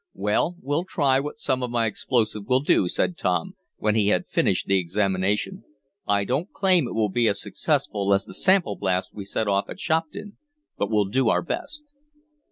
"Well, we'll try what some of my explosive will do," said Tom, when he had finished the examination. "I don't claim it will be as successful as the sample blast we set off at Shopton, but we'll do our best."